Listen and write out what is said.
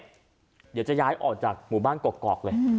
เดี๋ยวจะย้ายออกจากหมู่บ้านกกอกเลย